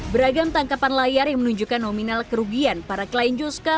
beragam tangkapan layar yang menunjukkan nominal kerugian para klien juska